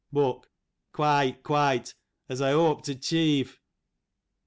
" Book : Quite, quite ; as eh hope to chieve